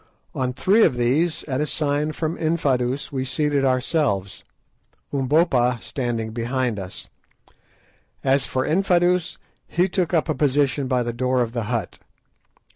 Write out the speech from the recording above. On three of these, at a sign from Infadoos, we seated ourselves, Umbopa standing behind us. As for Infadoos, he took up a position by the door of the hut.